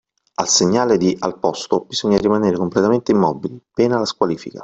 Al segnale di “Al posto” bisogna rimanere completamente immobili, pena la squalifica.